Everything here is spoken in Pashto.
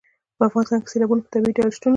په افغانستان کې سیلابونه په طبیعي ډول شتون لري.